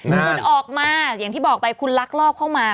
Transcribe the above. คุณออกมาอย่างที่บอกไปคุณลักลอบเข้ามา